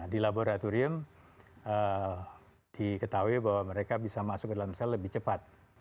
di laboratorium diketahui bahwa mereka bisa masuk ke dalam sel lebih cepat